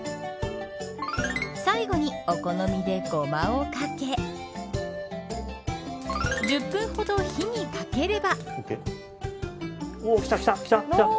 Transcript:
最後にお好みで、ごまをかけ１０分ほど火にかければ。